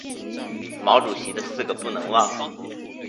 毛主席的四个不能忘！